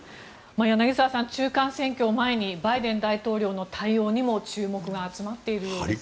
柳澤さん、中間選挙を前にバイデン大統領の対応にも注目が集まっているようですね。